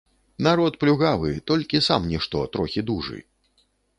Народ плюгавы, толькі сам нішто, трохі дужы.